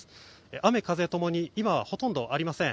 雨・風共に今はほとんどありません。